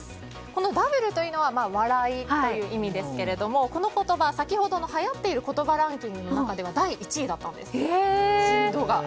この「ｗ」というのは笑いという意味ですがこの言葉、先ほどの流行っている言葉ランキングでは第１位だったんです。